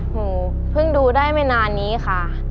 หนูเพิ่งดูได้ไม่นานนี้ค่ะ